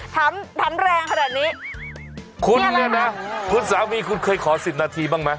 ถามแรงขนาดนี้มีอะไรครับคุณนี่นะคุณสามีคุณเคยขอสิบนาทีบ้างไหม